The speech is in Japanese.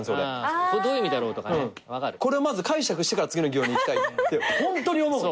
これをまず解釈してから次の行に行きたいってホントに思うの。